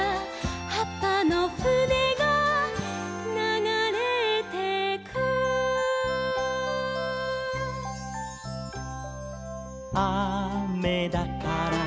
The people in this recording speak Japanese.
「はっぱのふねがながれてく」「あめだから」